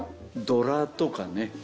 ドラとかね。